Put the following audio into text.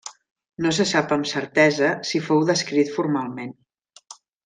No se sap amb certesa si fou descrit formalment.